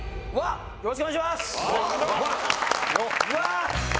よろしくお願いします！